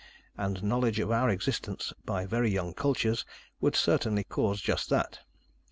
And knowledge of our existence by very young cultures would certainly cause just that.